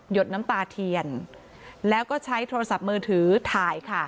ดน้ำตาเทียนแล้วก็ใช้โทรศัพท์มือถือถ่ายค่ะ